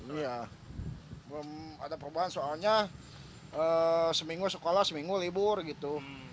iya belum ada perubahan soalnya seminggu sekolah seminggu libur gitu